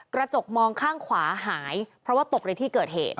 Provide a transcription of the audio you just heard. กระจกมองข้างขวาหายเพราะว่าตกในที่เกิดเหตุ